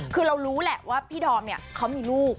คือเรารู้แหละว่าพี่ดอมเนี่ยเขามีลูก